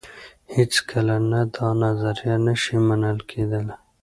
هېڅکله نه دا نظریه نه شي منل کېدای.